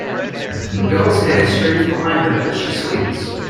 A girl 's hair streams behind her as she swings